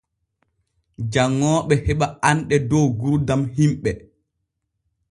Janŋooɓe heɓa anɗe dow gurdam himɓe.